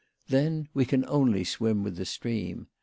Then we can only swim with the stream.